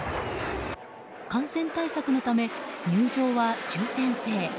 感染対策のため、入場は抽選制。